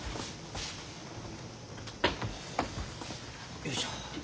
よいしょ。